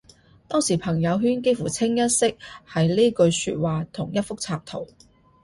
當時朋友圈幾乎清一色係呢句說話同一幅插圖